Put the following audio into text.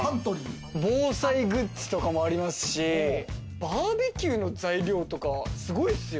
防災グッズとかもありますし、バーベキューの材料とかすごいっすよ。